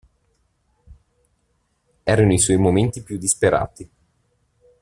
Erano i suoi momenti più disperati.